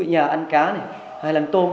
ở nhà ăn cá hay là ăn tôm